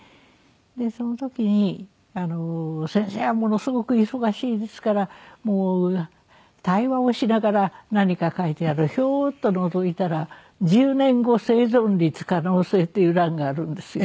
でその時に先生はものすごく忙しいですからもう対話をしながら何か書いてあるひょーっとのぞいたら「１０年後生存率可能性」っていう欄があるんですよ。